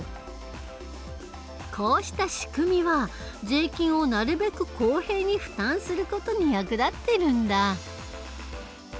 こうした仕組みは税金をなるべく公平に負担する事に役立ってるんだ。